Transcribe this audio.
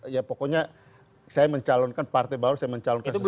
ya pokoknya saya mencalonkan partai baru saya mencalonkan sendiri